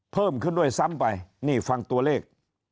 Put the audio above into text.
เพิ่มขึ้นด้วยซ้ำไปนี่ฟังตัวเลข